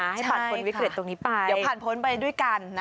ให้ผ่านพ้นวิกฤตตรงนี้ไปเดี๋ยวผ่านพ้นไปด้วยกันนะ